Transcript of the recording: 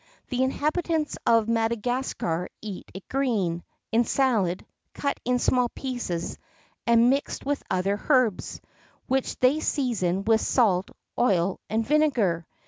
The inhabitants of Madagascar eat it green, in salad, cut in small pieces, and mixed with other herbs, which they season with salt, oil, and vinegar.